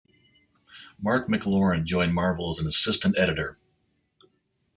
Marc McLaurin joined Marvel as an assistant editor.